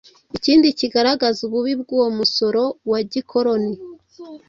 Ikindi kigaragaza ububi bw'uwo musoro wa gikoloni